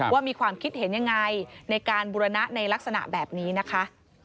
ว่ามีความคิดเห็นยังไงในการบุรณะในลักษณะแบบนี้นะคะ